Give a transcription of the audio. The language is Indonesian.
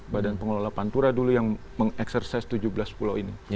badan pengelola pantura dulu yang mengekserses tujuh belas pulau ini